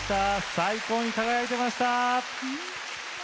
最高に輝いていました。